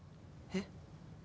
えっ？